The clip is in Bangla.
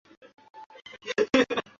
তিনি মুসলিমদের মাগরেব বিজয়ের সূচনা করেন।